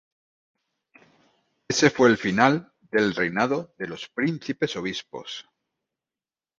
Ese fue el final del reinado de los príncipes-obispos.